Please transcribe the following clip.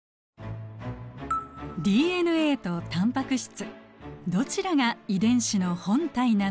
ＤＮＡとタンパク質どちらが遺伝子の本体なのか？